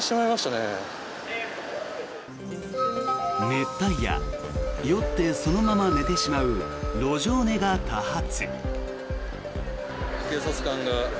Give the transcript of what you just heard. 熱帯夜酔ってそのまま寝てしまう路上寝が多発。